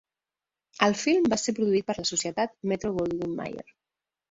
El film va ser produït per la societat Metro-Goldwyn-Mayer.